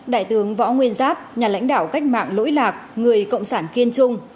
đại tướng võ nguyên giáp nhà lãnh đạo cách mạng lỗi lạc người cộng sản kiên trung